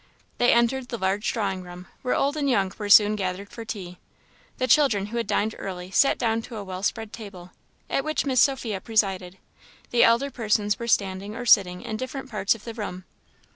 They entered the large drawing room, where old and young were soon gathered for tea. The children, who had dined early, sat down to a well spread table, at which Miss Sophia presided; the elder persons were standing or sitting in different parts of the room.